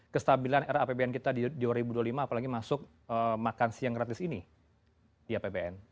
kestabilan era pbn kita di dua ribu dua puluh lima apalagi masuk makanan siang gratis ini di pbn